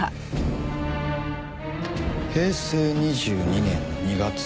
平成２２年２月。